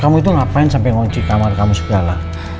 kamu itu ngapain sampe ngunci kamar kamu segala